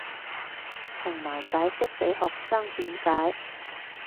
同埋解釋被學生點解